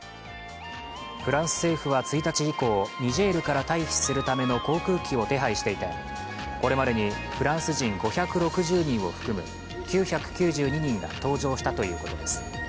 フランス政府は１日以降ニジェールから退避するための航空機を手配していて、これまでにフランス人５６０人を含む９２２人が搭乗したということです。